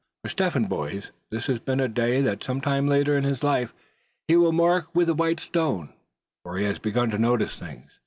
For Step Hen, boys, this has been a day that some time later on in life, he will mark with a white stone; for he has begun to notice things.